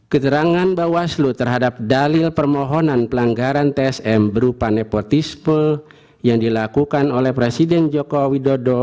keterangan bawaslu terhadap dalil permohonan pelanggaran tsm berupa nepotisme yang dilakukan oleh presiden joko widodo